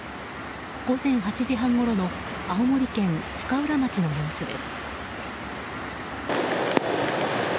午前８時半ごろの青森県深浦町の様子です。